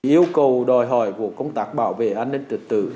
yêu cầu đòi hỏi của công tác bảo vệ an ninh trật tự